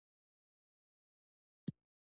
ذېرمې او ذخيرې چې په ولسي ادبياتو کې پراتې دي.